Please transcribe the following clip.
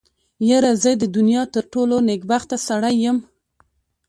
يره زه د دونيا تر ټولو نېکبخته سړی يم.